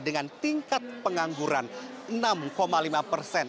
dengan tingkat pengangguran enam lima persen